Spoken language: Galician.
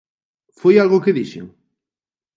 Foi algo que dixen?